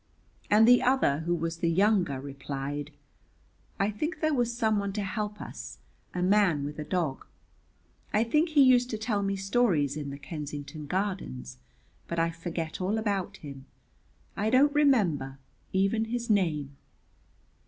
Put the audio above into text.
And the other who was the younger, replied, 'I think there was someone to help us, a man with a dog. I think he used to tell me stories in the Kensington Gardens, but I forget all about him; I don't remember even his name.'"